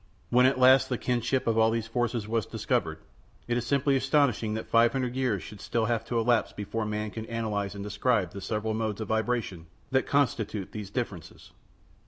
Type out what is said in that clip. When at last the kinship of all these forces was discovered, it is simply astounding that 500 years should still have to elapse before men could analyze and describe the several modes of vibration that constitute these differences.